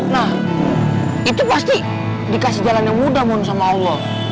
nah itu pasti dikasih jalan yang mudah mohon sama allah